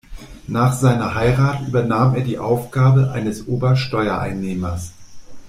Nach seiner Heirat übernahm er die Aufgabe eines Ober-Steuereinnehmers.